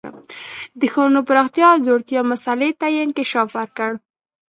د ښارونو د پراختیا او ځوړتیا مسئلې ته یې انکشاف ورکړ